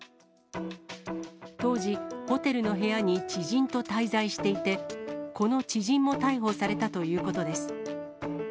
当時、ホテルの部屋に知人と滞在していて、この知人も逮捕されたということです。